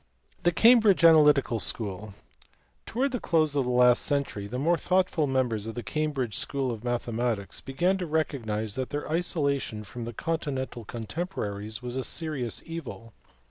The Cambridge Analytical School. Towards the close of the last century the more thoughtful members of the Cam bridge school of mathematics began to recognize that their isolation from their continental contemporaries was a serious evil.